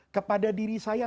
kepada diri saya